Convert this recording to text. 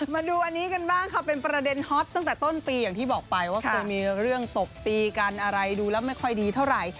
มาดูอันนี้กันบ้างค่ะเป็นประเด็นฮอตตั้งแต่ต้นปีอย่างที่บอกไปว่าเคยมีเรื่องตบตีกันอะไรดูแล้วไม่ค่อยดีเท่าไหร่